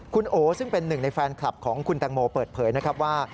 คุณโอซึ่งเป็นหนึ่งในแฟนคลับของคุณแตงโมเปิดเผยนะครับว่า